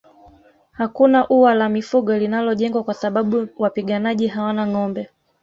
Hakuna ua la mifugo linalojengwa kwa sababu wapiganaji hawana ngombe